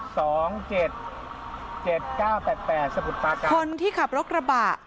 ๒๗๗๙๘๘สมุทรปาการคนที่ขับรถกระบะ